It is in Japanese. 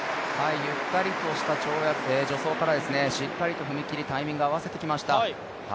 ゆったりとした助走からしっかりと踏み切り、タイミングを合わせてきました。